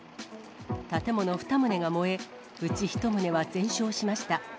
建物２棟が燃え、うち１棟は全焼しました。